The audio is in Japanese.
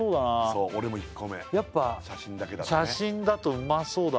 そう俺も１個目やっぱ写真だとうまそうだね